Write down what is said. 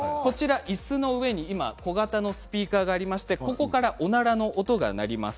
いすの上に小型のスピーカーがありまして、ここからおならの音が鳴ります。